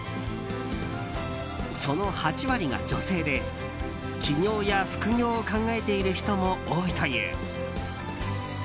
その８割が女性で、起業や副業を考えている人も多いという。